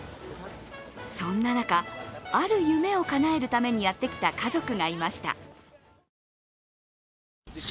そんな中、ある夢をかなえるためにやってきた家族がいました。